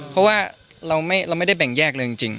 เพราะว่าเราไม่ได้แบ่งแยกเลยจริง